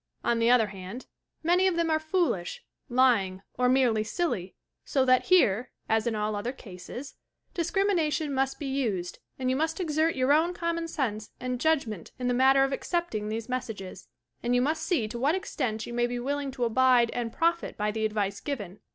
On the other hand, many of them" are foolish, lying or merely silly, so that here, as in all other eases, discrimination must be used, and you must exert your own eommon seose and judgment iu the matter of accepting these messages, and you must see to what extent you may be willing to abide and profit by the advice given.